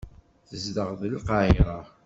Tzedɣeḍ deg Lqahira.